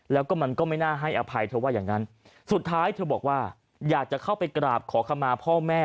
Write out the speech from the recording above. แล้วก็มันก็ไม่น่าให้อภัยเธอว่าอย่างนั้นสุดท้ายเธอบอกว่าอยากจะเข้าไปกราบขอขมาพ่อแม่